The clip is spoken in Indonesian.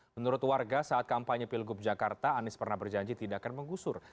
menurut warga saat kampanye pilgub jakarta anies pernah berjanji tidak akan menggusur